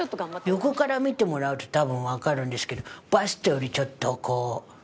横から見てもらうと多分わかるんですけどバストよりちょっとこう出てる感じなんで。